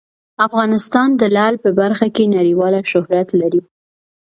افغانستان د لعل په برخه کې نړیوال شهرت لري.